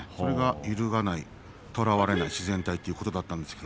揺るがないとらわれない自然体ということだったんです。